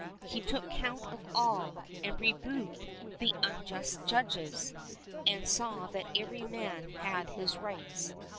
He took count of all, and rebuked the unjust judges, and saw that every man had his rights.